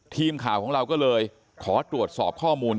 ทีมข่าวของเราก็เลยขอตรวจสอบข้อมูล